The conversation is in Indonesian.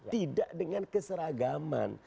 tidak dengan keseragaman